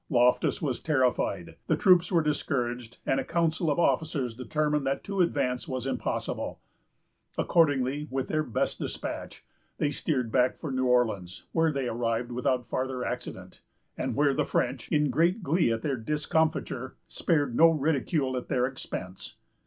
Loftus was terrified; the troops were discouraged, and a council of officers determined that to advance was impossible. Accordingly, with their best despatch, they steered back for New Orleans, where they arrived without farther accident; and where the French, in great glee at their discomfiture, spared no ridicule at their expense.